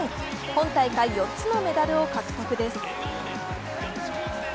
今大会４つのメダルを獲得です。